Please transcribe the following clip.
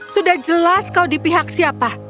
sudah jelas kau di pihak siapa